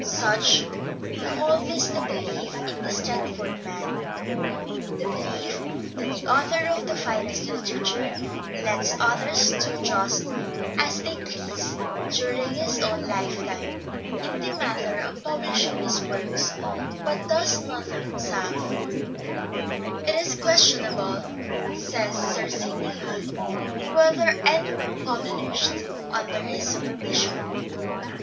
Such we hold is the belief in the Stratford man : the belief that the author of the finest literature lets others do just as they please during his own lifetime in the matter of publishing his works but does nothing himself. " It is question able," says Sir Sidney Lee, " whether any were published under his supervision."